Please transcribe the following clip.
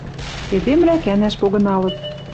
Эдемвлӓ кӓнӓш погыналыт.